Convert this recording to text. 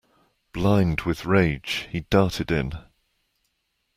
Blind with rage, he darted in.